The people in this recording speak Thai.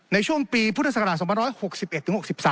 ในช่วงปีพุทธศักราช๒๖๑ถึง๖๓